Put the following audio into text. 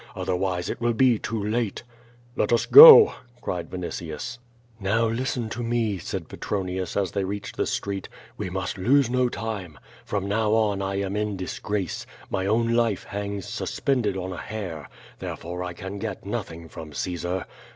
Otherwise it will be too late." "Let us go!" cried Vinitius. "Now listen to me," said Petronius, as they reached the street. "We must lose no time. From now on I am in dis grace. My own life hangs suspended on a hair, therefore I can get nothing from Caesar.